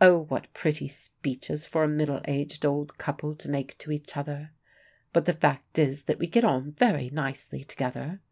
Oh, what pretty speeches for a middle aged old couple to make to each other! But the fact is that we get on very nicely together.